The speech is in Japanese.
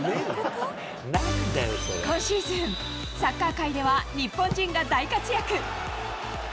今シーズン、サッカー界では日本人が大活躍。